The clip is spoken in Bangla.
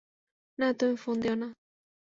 না, তুমি ফোন দিয়োনা।